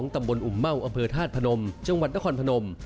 ตำบลอุ่มเม่าอำเภอธาตุพนมจังหวัดนครพนม